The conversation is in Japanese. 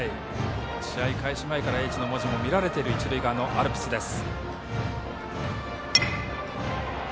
試合開始前からＨの文字も見られている一塁側のアルプスです。